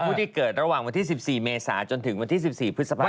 ที่เกิดระหว่างวันที่๑๔เมษาจนถึงวันที่๑๔พฤษภาค